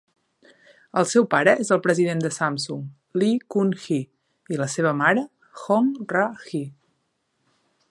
El seu pare és el president de Samsung, Lee Kun-hee, i la seva mare, Hong Ra-hee.